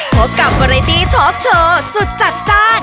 พบกับวารายตีโชคโชว์สุดจัดจ้าน